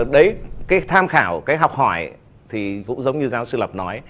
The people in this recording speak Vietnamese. đấy cái tham khảo cái học hỏi thì cũng giống như giáo sư lập nói